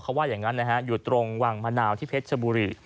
เขาว่าอย่างนั้นนะฮะอยู่ตรงวังมะนาวที่เพชรชบุรี